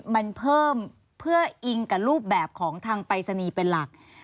มันเพิ่มเพื่ออิงกับรูปแบบของทางปรายศนีย์เป็นหลัก